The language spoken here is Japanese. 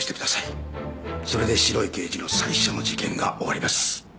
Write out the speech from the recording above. それで白い刑事の最初の事件が終わります。